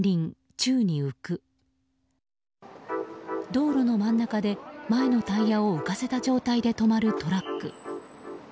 道路の真ん中で、前のタイヤを浮かせた状態で止まるトラック。